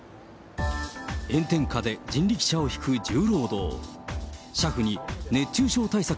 炎天下で人力車を引く重労働。